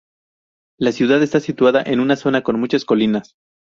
La ciudad está situada en una zona con muchas colinas.